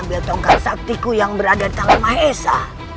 mengambil tongkat saktiku yang berada di tangan mahesa